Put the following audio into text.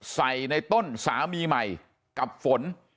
ในต้นสามีใหม่กับฝน